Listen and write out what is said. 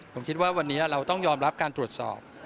ผมคิดว่าวันนี้เราต้องยอมรับการตรวจสอบ